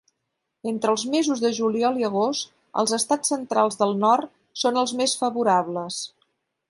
Entres els mesos de juliol i agost, els estats centrals del nord són els més favorables.